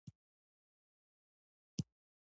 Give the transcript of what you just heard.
زړه يې ولړزېد.